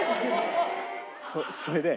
それで。